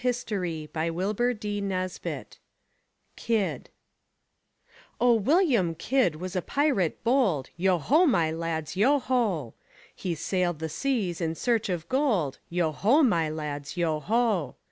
KIDD Oh, William Kidd was a pirate bold, Yo ho, my lads, yo ho! He sailed the seas in search of gold, Yo ho, my lads, yo ho!